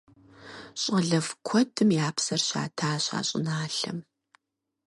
ЩӀалэфӀ куэдым я псэр щатащ а щӀыналъэм.